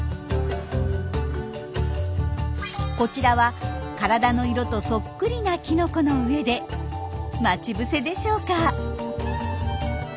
こちらは体の色とそっくりなきのこの上で待ち伏せでしょうか？